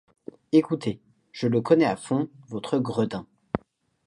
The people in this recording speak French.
Écoutez, je le connais à fond, votre gredin.